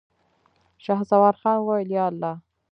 شهسوار خان وويل: ياالله.